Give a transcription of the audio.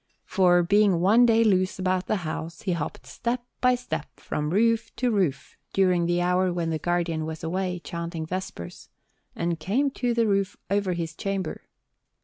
For, being one day loose about the house, he hopped step by step from roof to roof, during the hour when the Guardian was away chanting Vespers, and came to the roof over his chamber.